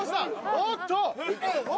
おっと！